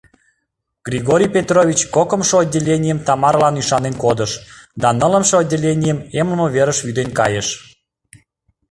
Григорий Петрович кокымшо отделенийым Тамаралан ӱшанен кодыш да нылымше отделенийым эмлыме верыш вӱден кайыш.